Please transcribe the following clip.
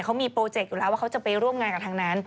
เขามีโปรเจกต์อยู่แล้วว่าเขาจะไปร่วมงานกับทางนั้น